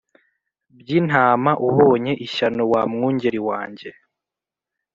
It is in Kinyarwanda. By intama ubonye ishyano wa mwungeri wanjye